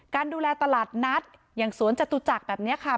การดูแลตลาดนัดอย่างสวนจตุจักรแบบนี้ค่ะ